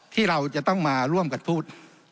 ที่เราจะต้องมาร่วมกันพูด